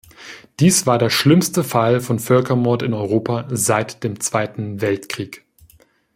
Dies war der schlimmste Fall von Völkermord in Europa seit dem Zweiten Weltkrieg.